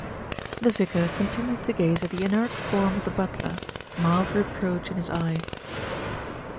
The vicar continued to gaze at the inert form of the butler, mild reproach in his eye.